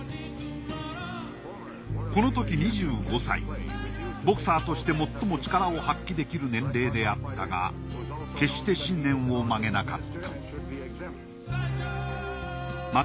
しかしボクサーとして最も力を発揮できる年齢であったが決して信念を曲げなかった。